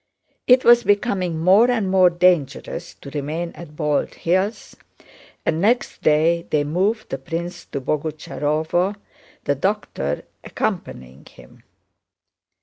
It was becoming more and more dangerous to remain at Bald Hills, and next day they moved the prince to Boguchárovo, the doctor accompanying him.